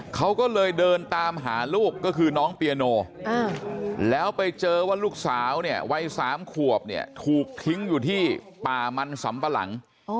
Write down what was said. เขาก็เลยเดินตามหาลูกก็คือน้องเปียโนแล้วไปเจอว่าลูกสาวเนี่ยวัย๓ขวบเนี่ยถูกทิ้งอยู่ที่ป่ามันสำปะหลัง